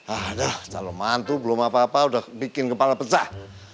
ada calon mantu belum apa apa udah bikin kepala pecah